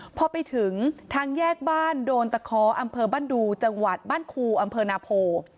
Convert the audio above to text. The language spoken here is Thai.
พอไปถึงทางแยกบ้านโดนตะคออำเภอบ้านดูจังหวัดบ้านครูอำเภอนาโพ